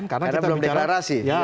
karena belum deklarasi